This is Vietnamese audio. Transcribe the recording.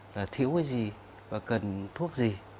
là thiếu cái gì và cần thuốc gì